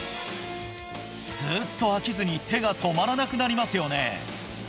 ずっと飽きずに手が止まらなくなりますよね